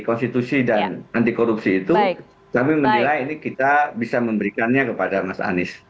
konstitusi dan anti korupsi itu kami menilai ini kita bisa memberikannya kepada mas anies